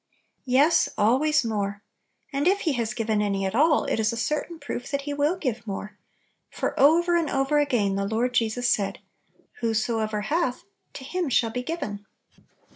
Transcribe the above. \7ES, always more! And if He haa I given any at all, it is a certain proof that He will give more; for over and over again the Lord Jesus said, "Whosoever hath, to him shall be giv en."